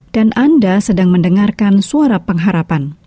dan anda sedang mendengarkan suara pengharapan